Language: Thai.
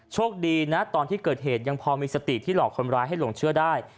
โชคดีนะตอนที่เกิดเหตุยังพอมีสติที่หลอกคนร้ายให้หลงเชื่อได้